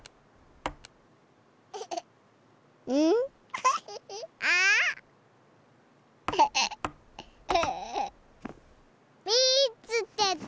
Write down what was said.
うん？あ！みつけた！